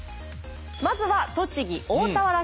まずは栃木大田原市。